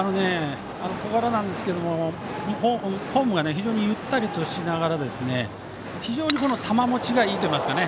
小柄なんですがフォームが非常にゆったりしながら球もちがいいといいますかね。